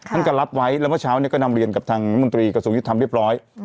ท่านก็รับไว้แล้วเมื่อเช้าเนี่ยก็นำเรียนกับทางมนตรีกระทรวงยุทธรรมเรียบร้อย